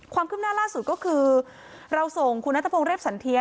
ความคืบหน้าล่าสุดก็คือเราส่งคุณนัทพงศ์เรียบสันเทีย